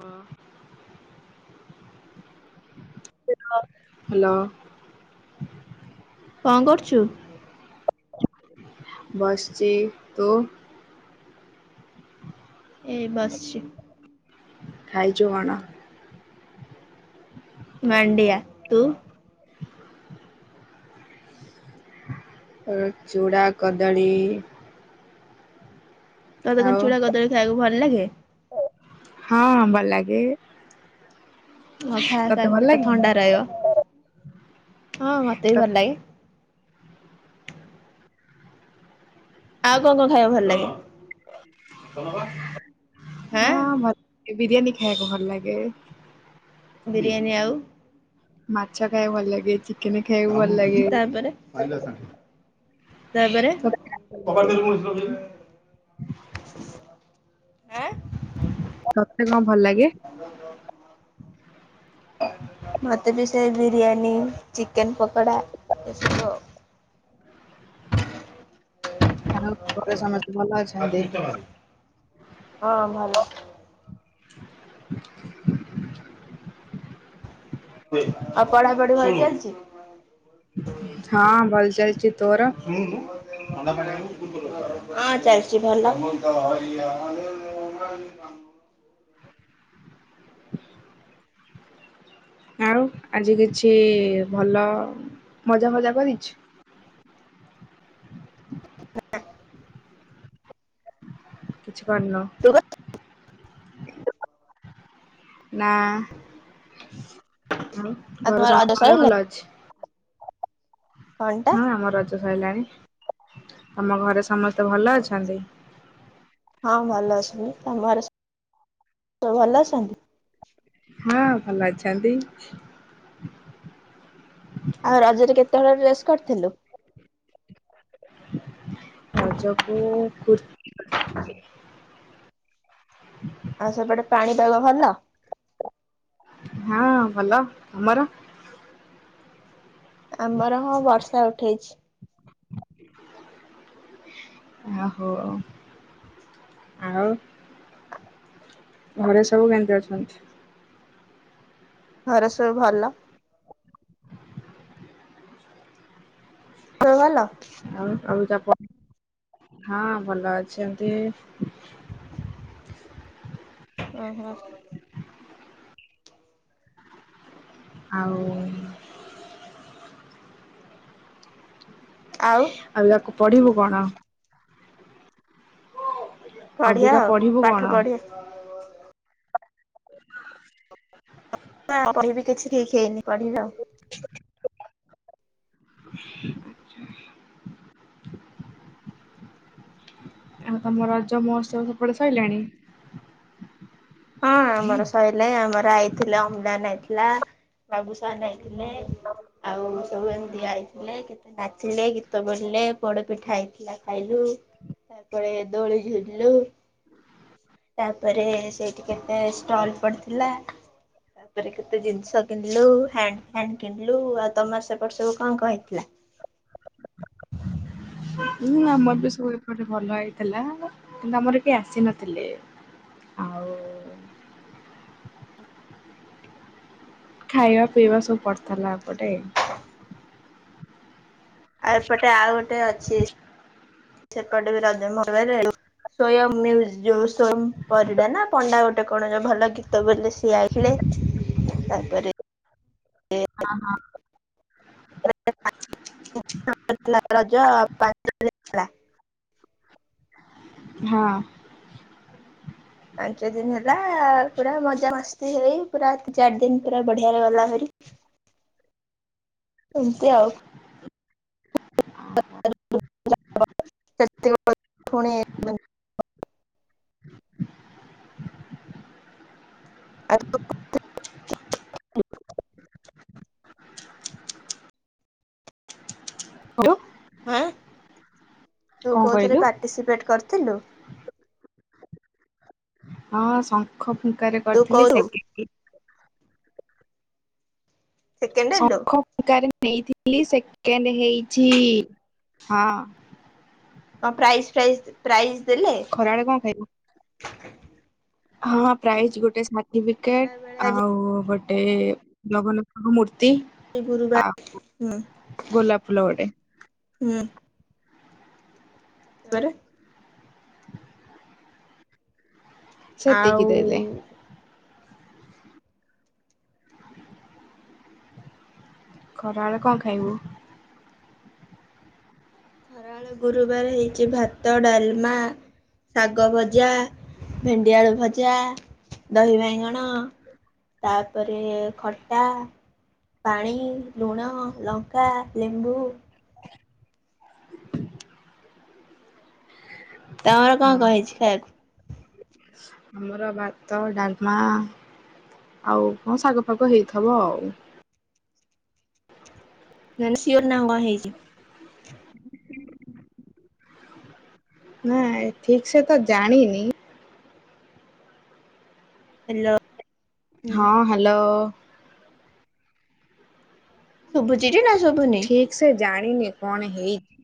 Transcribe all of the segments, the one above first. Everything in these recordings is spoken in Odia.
ହଁ, [inaudible] ହେଲ! କଁ କରୁଚୁ? ବସଚି। ତୁ? ଏଇ ବସ୍ଚି। ଖାଇଛୁ କଣ? ମଣ୍ଡିଆ, ତୁ? ହୁଁ ଚୁଡ଼ା କଦଳୀ। ତତେ କଣ ଆଉ ଚୁଡ଼ା କଦଳୀ ଖାଇଆକୁ ଭଲ ଲାଗେ? ହଁ, ବ ଲାଗେ। ହଁ, ଖା, ତତେ ଖା ଭଲ ପେଟ ଲାଗେନି ହଁ ଥଣ୍ଡା ରହିବ। ହଁ, ମତେ ବି ଭଲ ଲାଗେ। ଆଉ କଁ କଁ ଖାଇଆକୁ ଭଲ ଲାଗେ? ହାଁ ହଁ ଭଲ୍ ବିରିୟାନୀ ଖାଇୟାକୁ ଭଲ ଲାଗେ। ବିରିୟାନୀ ଆଉ ମାଛା ଖାଇବାକୁ ଭଲ ଲାଗେ ଏ କିି। କାମ ତା ପରେ ତାପରେ। ତତେ ଭଲ ଲାଗେ ଆଁ। ତତେ କଣ ଭଲ ଲାଗେ? [unintelligible] ମତେ ବି ସେଇ ବିରିୟାନୀ ଚିକେନ ପକୋଡା ଏସବୁ ଭ ଆଉ ଘରେ ସମତେ ଭଲ ଅଛି? ହଁ ଭଲ। ଆଉ ପଢାପଢି ଭଲ ଚାଲିଛି? ହଁ ଭଲ ଚାଲିଛି ତୋର ଶୁଣୁ ତୁ। ହଁ ଚାଲିଛି ଭଲ। [unintelligible] ଆଉ ଆଜି କିଛି ଭଲ ମଜା ଫଜା କରିଛୁ? ନା। କିଛି କରନୋଉ। ତୁ କର ଆଉ ନା ଆଉ ଘରେ ତମ ରାଜ ସମସ୍ତଙ୍କ ଦେହ ଭଲ ସଇଲାଣି? ଅଛି? ଟା? ହଁ ଆମ ରଜ ସରିଲାଣି। ତମ ଘରେ ସମସ୍ତେ ଭଲ ଅଛନ୍ତି? ହଁ ଭଲ ଅଛନ୍ତି। ତମ ଘରେ ସବୁ ଭଲ ଅଛନ୍ତି? ହଁ ଭଲ ଅଛନ୍ତି। ଆଉ ରଜରେ କେତେ ହଳ ଡ୍ରେସ୍ କରିଥିଲୁ? ରଜକୁ କୁର୍ [inaudible] ଆଉ ସେପଟେ ପାଣି ପାଗ ଭଲ? ହଁ ଭଲ ଆମର। ଆମର ହଁ ବର୍ଷା ଉଠେଇଛି। ଆ ଓହୋ ଆଉ। ଘରେ ସବୁ କେମିତି ଅଛନ୍ତି? ଘରେ ସବୁ ଭଲ। ତମେ ଭଲ। ଆଉ ଆଉ ତା ହଁ ଭଲ ଅଛି ଏମତି। ଅଁ ହଁ। ଆଉ। ଆଉ। ଆଉ ୟାକୁ ପଢ଼ିବୁ କଣ। ବଢିଆ ଅବିକା ଆଉ ପଢିବୁ କଣ? ପାଠ ପଢିବା। ହଁ କହିବି କିଛି ଠିକ ହେଇନି ପଢିବି ଆଉ। [unintelligible] ଆଉ ତମ ରଜ ମହୋତ୍ସବ ସେପଟେ ସରିଲାଣି? ହଁ ଆମର ସଇଲାଣି ଆମର ଆଇଥିଲା ଅମ୍ଳାନ ଆଇଥିଲା। ବାବୁସାନ ଆଇଥିଲେ ଆଉ ସବୁ ଏମିତି ଆଇଥିଲେ। ନାଚିଲେ ଗୀତ ବୋଲିଲେ ପୋଡ ପିଠା ହେଇ ଥିଲା ଖାଇଲେ। ତାପରେ ଦୋଳି ଝୁଲିଲୁ ତାପରେ ସେ ଟି କେତେ ଷ୍ଟଲ୍ ପଡ଼ିଥିଲା। ତାପରେ କେତେ ଜିନିଷ କିଣିଲୁ ହ୍ୟାଣ୍ଡ୍ ଫ୍ୟାଣ୍ଡ୍ କିଣିଲୁ ଆଉ ତମର ସେପଟ୍ ସବୁ କଣ କଣ୍ ହେଇଥିଲା? ହୁଁ ଆମରବି ସବୁ ଏପଟେ ଭଲ ହେଇଥିଲା କିନ୍ତୁ ଆମର କେହି ଆସିନଥିଲେ। ଆଉ ଖାଇବା ପିଇବା ସବୁ ପଡ଼ିଥିଲା ଏପଟେ। ଆଉ ଏପଟେ ଆଉ ଗୋଟେ ଅଛି ସେପଟେବି ରଜ ମଉଜରେ [unintelligible] ପରିଡ଼ାନା ପଣ୍ଡା ଗୋଟେ କଣ ଯଉ ଭଲ ଗୀତ ବୋଲେସେ ସିଏ ଆଇଥିଲେ ତାପରେ [unintelligible] ରଜ ହେଲା ହଁ। ପାଞ୍ଚ ଦିନ ହେଲା ପୁରା ମଜା ମସ୍ତି ହେଇ ପୁରା ଚାରି ଦିନ ପୁରା ବଢିଆରେ ଗଲା ହାରି। ସେମିତି ଆଉ। [unintelligible] [inaudible] [unintelligible] ହ୍ୟାଲୋ ହଁ। ତୁ କଣ କଉଥିରେ କହିଲୁ ପାର୍ଟିସିପେଟ୍ କରିଥିଲୁ? ହଁ ଶଙ୍ଖ ଫୁଙ୍କାରେ ତୁ କରିଥିଲି କୋଉ ସେତିକି। ସେକେଣ୍ଡ୍ ହେଲୁ? ଶଙ୍ଖ ଫୁଙ୍ଖାରେ ନେଇଥିଲି ସେକେଣ୍ଡ୍ ହେଇଚି ହଁ। କଣ୍ ପ୍ରାଇଜ୍ ଫ୍ରାଇଜ୍- ପ୍ରାଇଜ୍ ଦେଲେ? ଖରାବେଳେ କଣ ହଁଁ ପ୍ରାଇଜ୍ ଗୋଟେ ଖରା ସାର୍ଟିଫିକେଟ୍ ବେଳେ ଆଜି ଆଉ ଗୋଟେ ଜଗନ୍ନାଥଙ୍କ ମୂର୍ତ୍ତି ଗୁରୁବାର ଆଉ ହୁଁ ଗୋଲାପ ଫୁଲ ଗୋଟେ। ହୁଁ। ତୋର? ସେତିକି ଆଉ ଦେଲେ ଖରାବେଳେ କଁ ଖାଇବୁ? ଖରାବେଳେ ଗୁରୁବାରେ ହେଇଚି ଭାତ, ଡ଼ାଲମା ଶାଗ ଭଜା, ଭେଣ୍ଡି ଆଳୁ ଭଜା, ଦହି ବାଇଗଣ ତାପରେ ଖଟା ପାଣି, ଲୁଣ, ଲଙ୍କା, ଲେମ୍ବୁ ତମର କଁ ହଁ କଁ ହେଇଚି ଖାଇବାକୁ? ଆମର ଭାତ, ଡ଼ାଲମା ଆଉ କଁ ଶାଗ ଫାଗ ହେଇଥିବ ଆଉ। ମାନେ ସିଅର୍ ନୁହଁ କଣ ହେଇଚି। ନା ଠିକ୍ ସେତ ଜାଣିନି ହାଲୋ। ହଁ ହାଲୋ। ଶୁବୁଚିଟି ନା ଶୁବୁନି? ଠିକସେ ଜାଣିନି କଣ ହେଇଚି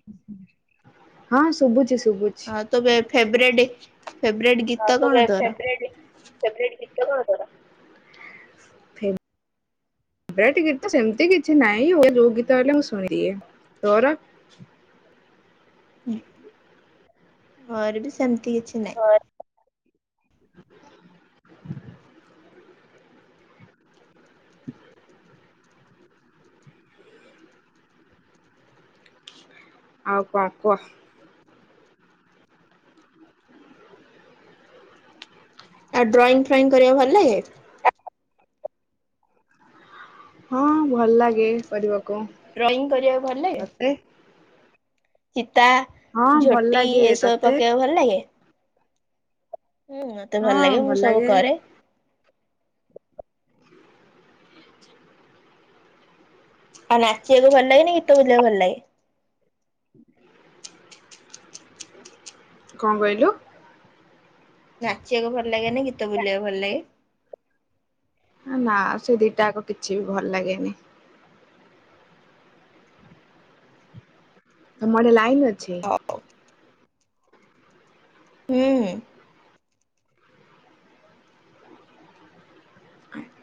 ହଁ ଶୁବୁଚି ଶୁବୁ ଆତ ଫେବ୍ରେଟ୍ ଫେବ୍ରେଟ୍ ଗୀତ କଣ ତୋର? [unintelligible] ଫେବ୍ରେଟ୍ ଗୀତ‌ କଣ ତୋର? ଫେବ୍ରେଟ୍ ଗୀତ ସେମିତି କିଛି ନାହିଁ ଓ- ଯଉ ଗୀତ ହେଲେ ମୁଁ ଶୁଣିଦିଏ ତୋର? ମୋରବି ସେମିତି କିଛି ନାଇଁ। [unintelligible] ଆଉ କଣ କୁହ? ଆଉ ଡ୍ରଇଙ୍ଗ୍ ଫ୍ରଇଙ୍ଗ୍ କରିବାକୁ ଭଲ୍ ଲାଗେ? ହଁ ଭଲ ଲାଗେ କରିବାକୁ। ଡ୍ରଇଂ କରିବାକୁ ଭଲ ଲାଗେ? ଏ ଚିତା ହଁ ଭଲ ଝୋଟି ଲାଗେ ଏସବୁ ତତେ? ପକେଇବାକୁ ଭଲ ଲାଗେ? ହୁଁ ମତେ ଭଲ ଲାଗେ ମୁଁ ସବୁ କରେ। ଆଉ ନାଚିବାକୁ ଭଲ ଲାଗେନି ଗୀତ ବୋଲିବାକୁ ଭଲ ଲାଗେ? କଣ କହିଲୁ? ନାଚିବାକୁ ଭଲ ଲାଗେ ନି ଗୀତ ବୋଲିବାକୁ ଭଲ ଲାଗେ। ନାଉ ସେ ଦିଟା ଆକ କିଛି ବି ଭଲ ଲାଗେନି। ତମ ଆଡେ ଲାଇନ ଅଛି? ହୁଁ।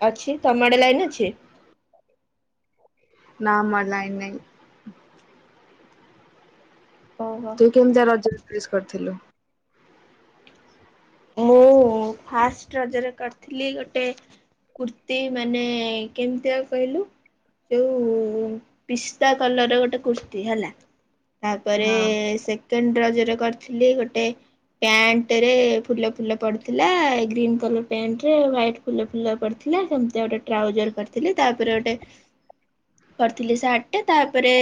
ଅଛି ତମ ଆଡେ ଲାଇନ୍ ଅଛି? ନାଁ ଆମ ଆଡେ ଲାଇନି ନାଇଁ। ଓହୋ ତୁ କେମିତିଆ ରଜ ରେ ଡ୍ରେସ କରିଥିଲୁ? ମୁଁ ଫାଷ୍ଟ ରଜରେ କରିଥିଲି ଗୋଟେ କୁର୍ତ୍ତିୀ ମାନେ କେମିତିଆଉ କହିଲୁ? ଯୋଉ ପିସ୍ତା କଲର ର ଗୋଟେ କୁର୍ତ୍ତିୀ ହେଲା? ତାପରେ ହଁ ସେକେଣ୍ଡ ରଜ ରେ କରିଥିଲି ଗୋଟେ ପ୍ୟାଣ୍ଟରେ ଫୁଲ ଫୁଲ ପଡିଥିଲା ଗ୍ରୀନ୍ କଲର ପେଣ୍ଟ ରେ ୱଇଟି ଫୁଲ ଫୁଲ ପଡିଥିଲା ସେମିତି ଗୋଟେ ଟାଉଜର କରିଥିଲେ ତାପରେ ଗୋଟେ କରିଥିଲି ସାର୍ଟଟେ ତାପରେ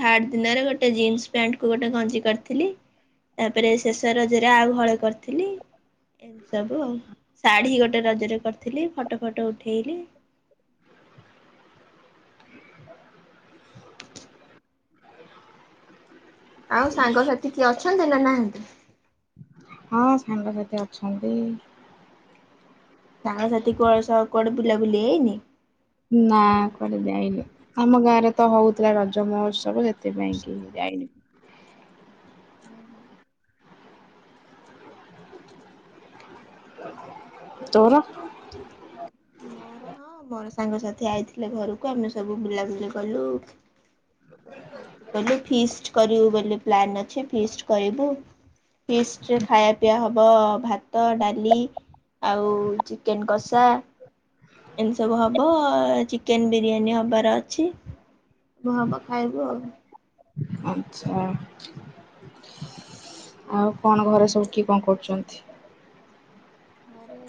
ଥାର୍ଡ ଦିନରେ ଗୋଟେ ଜିନ୍ସ ପ୍ୟାଣ୍ଟ କୁ ଗୋଟେ ଗଞ୍ଜି କରିଥିଲି। ତାପରେ ଶେଷ ରଜରେ ଆଉ ହଲେ କରିଥିଲି। ଏମତି ସବୁ ଆଉ ଶାଢୀ ଗୋଟେ ରଜରେ କରିଥିଲି ଫଟୋ ଫଟୋ ଉଠେଇଲି। ଆଉ ସାଙ୍ଗସାଥି କିଏ ଅଛନ୍ତି ନା ନାହାନ୍ତି? ହଁ ସାଙ୍ଗସାଥୀ ଅଛନ୍ତି। ସାଙ୍ଗସାଥି କୁଆଡେ ସହ କୁଆଡେ ବୁଲାବୁଲି ହେଇନି? ନାଁ କୁଆଡେ ଯାଇନି। ଆମ ଗାଁ ରେ ତ ହଉଥିଲା ରଜ ମହୋତ୍ସବ ସେଥିପାଇଁ କି ଯାଇନି। ଓ ହୋ। ତୋର? ମୋର ହଁ ମୋର ସାଙ୍ଗସାଥି ଆଇଥିଲେ ଘରକୁ ଆମେ ସବୁ ବୁଲାବୁଲି କଲୁ। କହିଲେ [inaudible] କରିବୁ ବୋଲି ପ୍ଲାନ ଅଛି ଫିଷ୍ଟ କରିବୁ। ଫିଷ୍ଟି ରେ ଖାଇବା ପିଇବା ହବ ଭାତ ଡାଲି ଆଉ ଚିକେନ କଷା। ଏମିତି ସବୁ ହବ ଚିକେନ ବିରିୟାନୀ ହବାର ଅଛି। ହବ ଖାଇବୁ ଆଉ। ଆଚ୍ଛା। ଆଉ କଣ ଘରେ ସବୁ କିଏ କଣ କରୁଛନ୍ତି? ଘରେ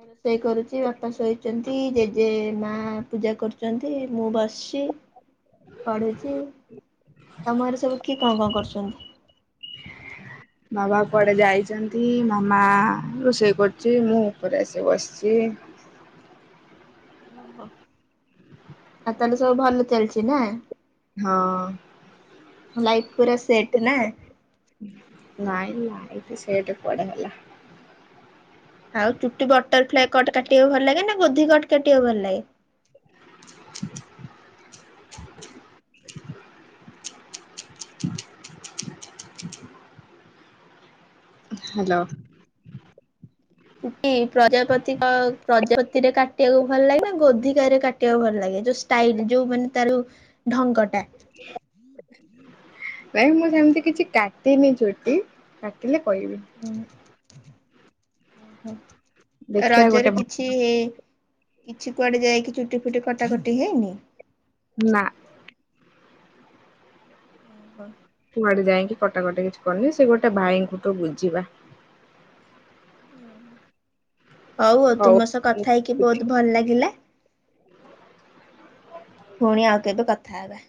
ରୋଷେଇ କରୁଛି ବାପା ଶୋଇଛନ୍ତି ଯେଜେ ମା ପୂଜା କରୁଛନ୍ତି ମୁଁ ବସି ତି ପଢୁଛି ତମର ସବୁ କିଏ କଣ କଣ କରୁଚନ୍ତି? ବାବା କୁଆଡେ ଯାଇଛନ୍ତି ମାମା ରୋଷେଇ କରୁଛି ମୁଁ ଉପରେ ଆସି ବସିଚି। ଓହୋ ଆଉ ତାହେଲେ ସବୁ ଭଲ ଚାଲିଚି ନା। ହଁ। ଲାଇଫ୍ ପୁରା ସେଟ୍ ନା? ନାଇଁ ନାଇଁ ସେ ସେଟ୍ କୁଆଡେ ଗଲା। ଆଉ ଚୁଟି ବଟରଫ୍ଲାଏ କଟ କାଟିବାକୁ ଭଲ ଲାଗେ ନା ଗୋଧି କଟ କାଟିବାକୁ ଭଲ ଲାଗେ? ହ୍ୟାଲୋ। ପ୍ରଜାପତି ପ୍ରଜାପତିରେ କାଟିବାକୁ ଭଲ ଲାଗେ ନା ଗୋଧିକାରେ କାଟିବାକୁ ଭଲ ଲାଗେ ଯୋ ଷ୍ଟାଇଲ ଯୋଉ ମାନେ ତାର ଢଙ୍ଗଟା ନାଇଁ ମୁଁ ସେମିତି କିଛି କାଟିିନି ଚୁଟି କାଟିଲେ କହିବି। ହ ଓହୋ ଦେଖିବା ଗୋଟେ ରଜରେ କିଛି ସି ହେ କିଛି କୁଆଡେ ଯାଇକି ଚୁଟି ଫୁଟି କଟାକଟି ହେଇନି? ନା। ହହ। କୁଆଡେ ଯାଇକି କଟାକଟି କିଛି କରିନି ସେ ଗୋଟେ ଭାଇଙ୍କୁଠୁ ବୁଝିବା ହଉ ହଉ ତୁମ ସହ କଥା ହେଇକି ବହୁତ ଭଲ ଲାଗିଲା ପୁଣି ଆଉ କେବେ କଥା ହେବା।